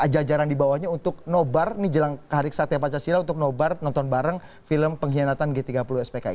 jajaran di bawahnya untuk nobar nih jelang hari kesatya pancasila untuk nobar nonton bareng film pengkhianatan g tiga puluh spki